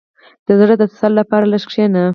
• د زړۀ د تسل لپاره لږ کښېنه.